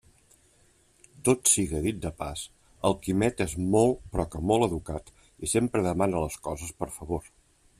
Tot siga dit de pas, el Quimet és molt però que molt educat, i sempre demana les coses per favor.